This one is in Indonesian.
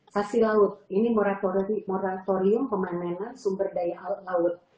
sasi laut ini moratorium pemanenan sumber daya alam laut